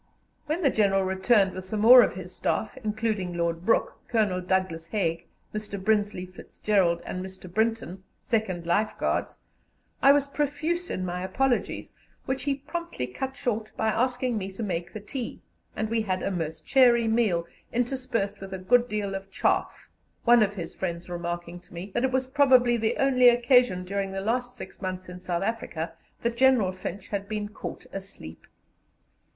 When the General returned with some more of his Staff, including Lord Brooke, Colonel Douglas Haig, Mr. Brinsley Fitzgerald, and Mr. Brinton, 2nd Life Guards, I was profuse in my apologies, which he promptly cut short by asking me to make the tea, and we had a most cheery meal, interspersed with a good deal of chaff, one of his friends remarking to me that it was probably the only occasion during the last six months in South Africa that General French had been caught asleep.